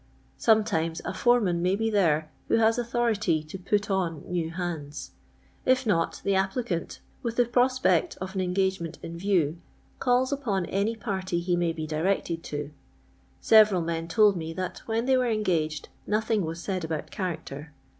Sometimes n foreman may be there who has authority to "put on" new Innds; if not, the applicant, with the prospect of an engagement in view, calls lipon any party he may be directed to. Several men told me that when they were engaged nothing was said about character.